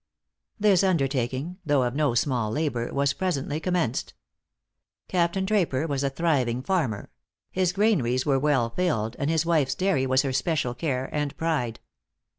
This undertaking, though of no small labor, was presently commenced. Captain Draper was a thriving farmer; his granaries were well filled, and his wife's dairy was her special care and pride.